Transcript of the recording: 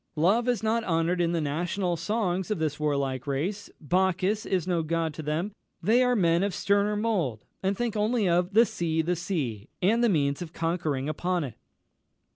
Love is not honoured in the national songs of this warlike race Bacchus is no god to them; they are men of sterner mould, and think only of 'the Sea, the Sea!' and the means of conquering upon it."